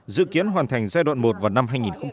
dự kiến hoàn thành giai đoạn một vào năm hai nghìn một mươi tám